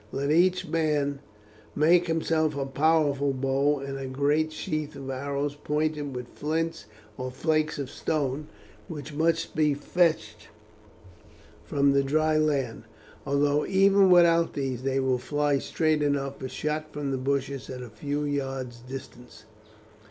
Let each man make himself a powerful bow and a great sheath of arrows pointed with flints or flakes of stone, which must be fetched from the dry land, although even without these they will fly straight enough if shot from the bushes at a few yards' distance.